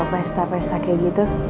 pesta pesta kayak gitu